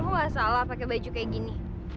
lo nggak salah pakai baju kayak gini